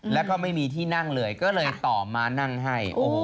แล้วก็ไม่มีที่นั่งเลยก็เลยต่อมานั่งให้